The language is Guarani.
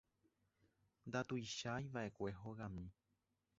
Ndatuichaiva'ekue hogami.